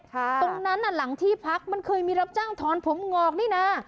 ตรงนั้นน่ะหลังที่พักมันเคยมีรับจ้างถอนผมงอกนี่นะ